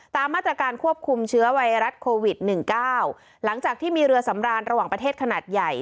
ตามมาตรการควบคุมเชื้อไวรัสโควิด๑๙หลังจากที่มีเรือสำราญระหว่างประเทศขนาดใหญ่